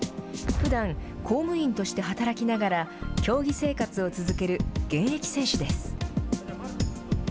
ふだん、公務員として働きながら、競技生活を続ける現役選手です。